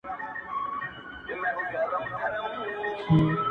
مضمون د شعر لکه پیکر دی -